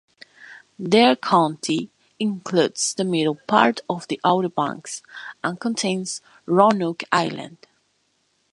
Dare County includes the middle part of the Outer Banks and contains Roanoke Island.